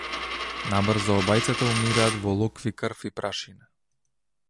Набрзо обајцата умираат во локви крв и прашина.